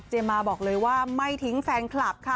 มาบอกเลยว่าไม่ทิ้งแฟนคลับค่ะ